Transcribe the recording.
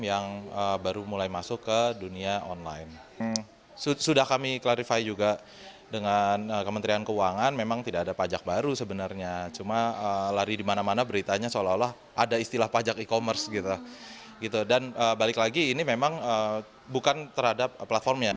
terutama untuk mereka yang baru masuk industri transaksi digital